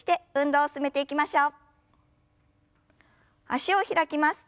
脚を開きます。